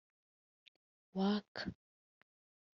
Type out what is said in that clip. Waka